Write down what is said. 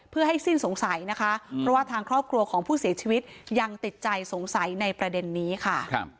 เพื่อให้สิ้นสงสัยนะคะเพราะว่าทางครอบครัวของผู้เสียชีวิตยังติดใจสงสัยในประเด็นนี้ค่ะ